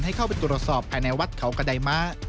ให้เข้าไปตรวจสอบภายในวัดเขากระไดมะ